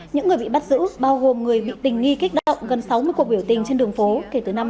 những người bị bắt giữ bao gồm người bị tình nghi kích động gần sáu mươi cuộc biểu tình trên đường phố kể từ năm hai nghìn một mươi